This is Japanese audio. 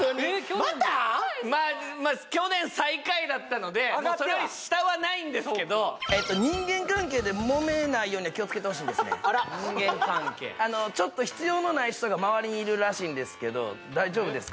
のでもうそれより下はないんですけど人間関係でもめないように気をつけてほしいんですねちょっと必要のない人が周りにいるらしいんですけど大丈夫ですか？